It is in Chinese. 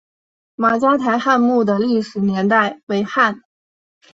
马家台汉墓的历史年代为汉。